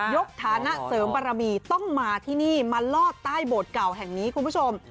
ฐานะเสริมบารมีต้องมาที่นี่มาลอดใต้โบสถ์เก่าแห่งนี้คุณผู้ชม